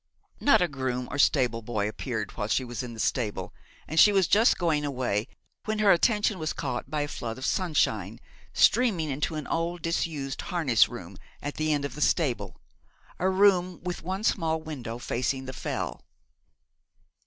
Not a groom or stable boy appeared while she was in the stable; and she was just going away, when her attention was caught by a flood of sunshine streaming into an old disused harness room at the end of the stable a room with one small window facing the Fell.